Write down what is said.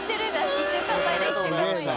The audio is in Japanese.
１週間前だ１週間前だ。